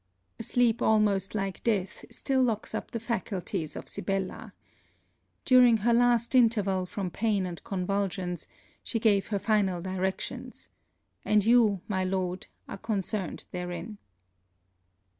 A sleep almost like death still locks up the faculties of Sibella. During her last interval from pain and convulsions, she gave her final directions, and you my Lord are concerned therein.